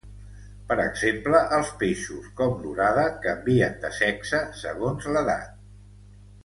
Per exemple els peixos com l'orada canvien de sexe segons l'edat.